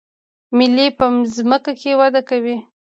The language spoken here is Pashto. ملی په ځمکه کې وده کوي